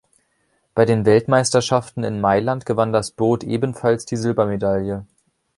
Bei den Weltmeisterschaften in Mailand gewann das Boot ebenfalls die Silbermedaille.